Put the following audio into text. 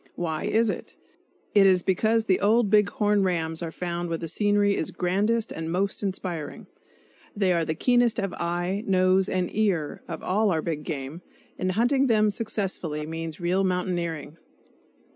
Why is it? It is because the old big horn rams are found where the scenery is grandest and most inspiring; they are the keenest of eye, nose and ear of all our big game, and hunting them successfully means real mountaineering.